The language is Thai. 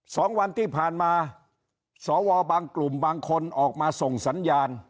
สองวันที่ผ่านมาสวบางกลุ่มบางคนออกมาส่งสัญญาณ